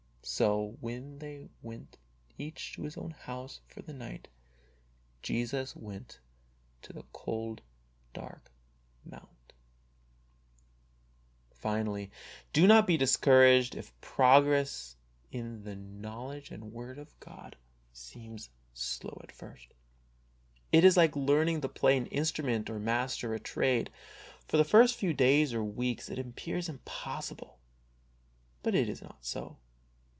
So when they went each to his own house for the night, Jesus went to the cold, dark mount ! io6 HEART TALKS ON HOLINESS. Finally, do not be discouraged if progress in the know ledge of the Word seems slow at first. It is like learning to play an instrument or master a trade, for the first few days or weeks it appears impossible, but it is not so.